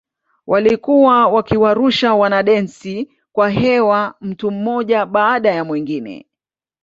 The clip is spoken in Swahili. Walikuwa wakiwarusha wanadensi kwa hewa mtu mmoja baada ya mwingine.